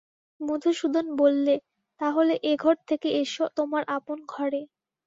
মধুসূদন বললে, তা হলে এ-ঘর থেকে এসো তোমার আপন ঘরে।